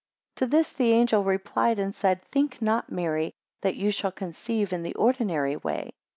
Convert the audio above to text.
17 To this the angel replied and said, Think not, Mary, that you shall conceive in the ordinary way.